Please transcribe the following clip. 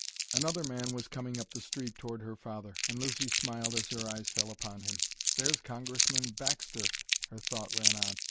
Another man was coming up the street toward her father, and Lucy smiled as her eyes fell upon him. "There's Congressman Baxter," her thought ran on.